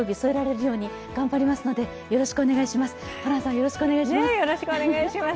よろしくお願いします。